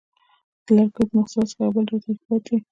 د لرګیو له محصولاتو څخه یو بل ډول ترکیبات دي.